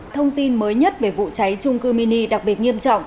thông tin mới nhất về vụ cháy trung cư mini đặc biệt nghiêm trọng